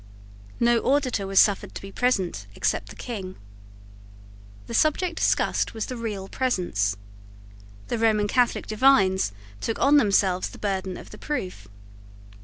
No auditor was suffered to be present except the King. The subject discussed was the real presence. The Roman Catholic divines took on themselves the burden of the proof.